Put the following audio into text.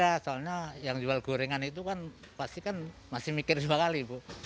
ya ya pasti ada soalnya yang jual gorengan itu kan pasti kan masih mikir dua kali